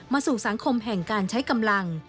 สู่สังคมแห่งการใช้กำลัง